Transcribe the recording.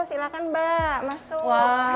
silakan mbak masuk